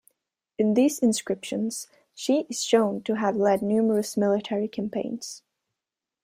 In these inscriptions she is shown to have led numerous military campaigns.